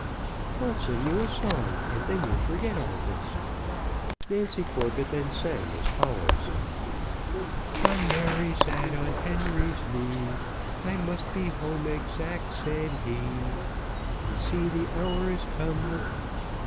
I'll sing you a song, and then you'll forget all this." Nancy Corbett then sang as follows: Fond Mary sat on Henry's knee, "I must be home exact," said he, "And see, the hour is come."